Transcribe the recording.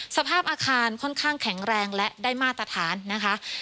สภาพอาคารค่อนข้างแข็งแรงและได้มาตรฐานนะคะ